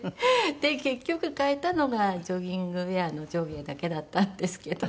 で結局買えたのがジョギングウェアの上下だけだったんですけど。